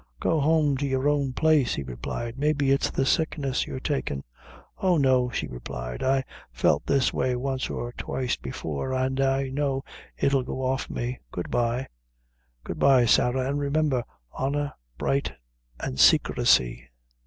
"Go home to your own place," he replied; "maybe it's the sickness you're takin." "Oh, no," she replied, "I felt this way once or twice before, an' I know it'll go off me good bye." "Good bye, Sarah, an' remember, honor bright and saicresy."